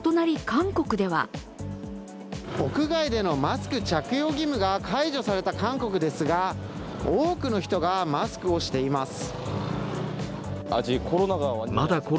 韓国では屋外でのマスク着用義務が解除された韓国ですが、多くの人がマスクをしています。